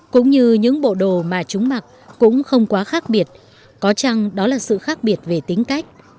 cũng như những bộ đồ mà chúng mặc cũng không quá khác biệt có chăng đó là sự khác biệt về tính cách